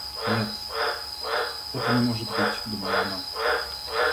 Нет, это не может быть, — думала она.